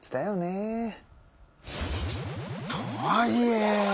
とはいえ。